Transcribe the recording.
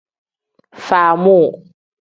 Faamuu.